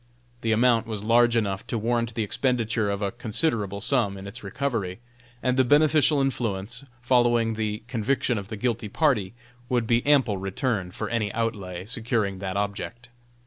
The amount was large enough to warrant the expenditure of a considerable sum in its recovery, and the beneficial influence following the conviction of the guilty party would be ample return for any outlay securing that object.